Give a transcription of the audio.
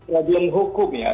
radium hukum ya